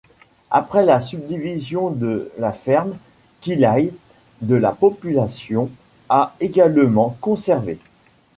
Après la subdivision de la ferme, Quillayes de la population a également conservé.